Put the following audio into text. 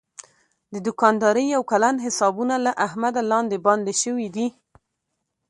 د دوکاندارۍ یو کلن حسابونه له احمده لاندې باندې شوي دي.